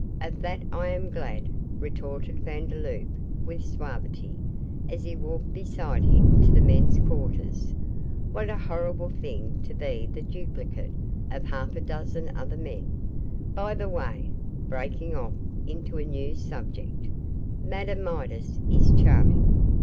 'Of that I am glad,' retorted Vandeloup, with suavity, as he walked beside him to the men's quarters. 'What a horrible thing to be the duplicate of half a dozen other men. By the way,' breaking off into a new subject, 'Madame Midas is charming.